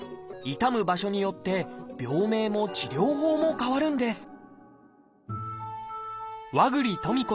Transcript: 痛む場所によって病名も治療法も変わるんです